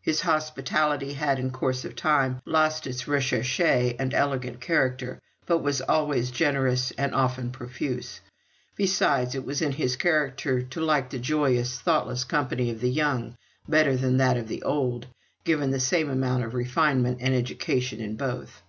His hospitality had in course of time lost its recherche and elegant character, but was always generous, and often profuse. Besides, it was in his character to like the joyous, thoughtless company of the young better than that of the old given the same amount of refinement and education in both.